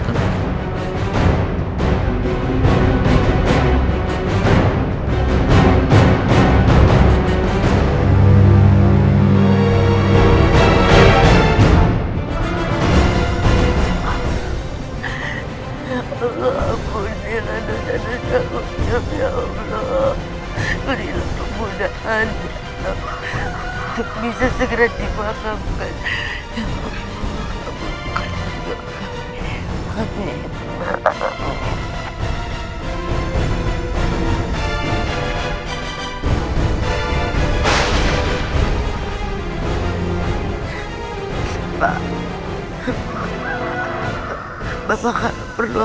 kamu sekolah aku biar gua